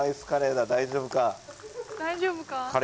大丈夫か？